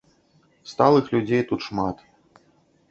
Сталых людзей тут шмат.